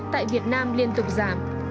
tại việt nam liên tục giảm